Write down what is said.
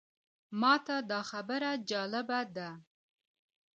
ماته دا خبره جالبه ده.